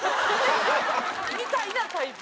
みたいなタイプ。